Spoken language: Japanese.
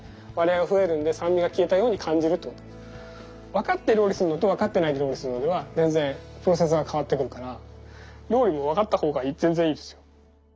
分かって料理するのと分かってないで料理するのでは全然プロセスが変わってくるから料理も分かった方が全然いいですよ。